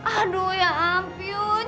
aduh ya ampun